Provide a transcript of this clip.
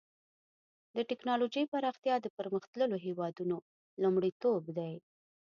د ټکنالوجۍ پراختیا د پرمختللو هېوادونو لومړیتوب دی.